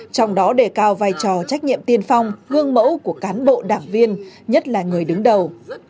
trong đó đề cao vai trò trách nhiệm tiên phong gương mẫu của cán bộ đảng viên nhất là người đứng đầu